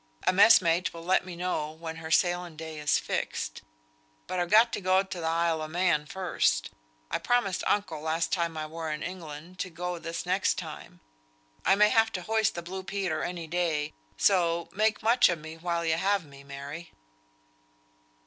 A mess mate will let me know when her sailing day is fixed; but I've got to go to th' Isle o' Man first. I promised uncle last time I were in England to go this next time. I may have to hoist the blue Peter any day; so, make much of me while you have me, Mary."